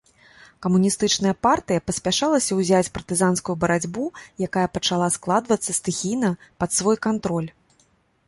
Камуністычная партыя паспяшалася ўзяць партызанскую барацьбу, якая пачала складвацца стыхійна, пад свой кантроль.